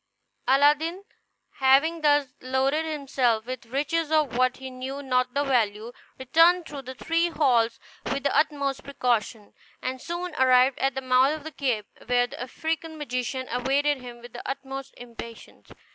Aladdin, having thus loaded himself with riches of which he knew not the value, returned through the three halls with the utmost precaution, and soon arrived at the mouth of the cave, where the African magician awaited him with the utmost impatience.